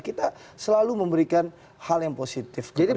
kita selalu memberikan hal yang positif